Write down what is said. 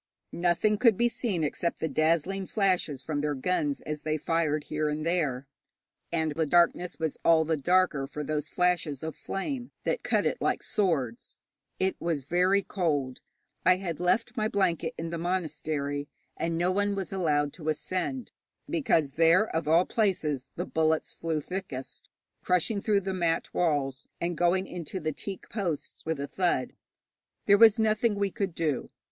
Nothing could be seen except the dazzling flashes from their guns as they fired here and there, and the darkness was all the darker for those flashes of flame, that cut it like swords. It was very cold. I had left my blanket in the monastery, and no one was allowed to ascend, because there, of all places, the bullets flew thickest, crushing through the mat walls, and going into the teak posts with a thud. There was nothing we could do.